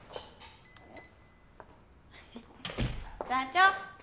社長！